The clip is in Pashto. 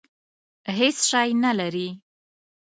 هېڅ شی نه لري.